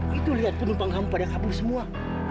itu lihat penumpang kamu pada kabur semua